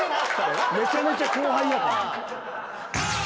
めちゃめちゃ後輩やから。